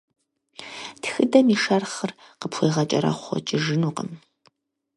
Тхыдэм и шэрхъыр къыпхуегъэкӏэрэхъуэкӏыжынукъым.